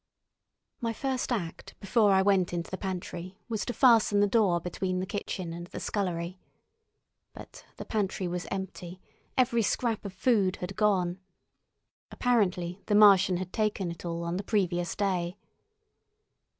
My first act before I went into the pantry was to fasten the door between the kitchen and the scullery. But the pantry was empty; every scrap of food had gone. Apparently, the Martian had taken it all on the previous day.